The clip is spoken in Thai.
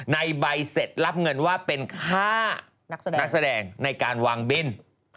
ในใบเสร็จรับเงินว่าเป็นค่านักแสดงในการวางเบ็น